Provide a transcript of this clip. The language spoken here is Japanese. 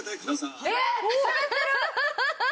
ハハハハ。